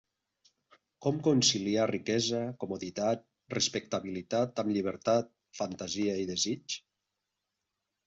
Com conciliar riquesa, comoditat, respectabilitat amb llibertat, fantasia i desig?